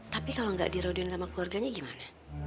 tapi kalau nggak dirodin sama keluarganya gimana